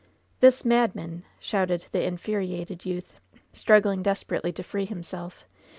"*This madman!''' shouted the infuriated youth, struggling desperately to free himself.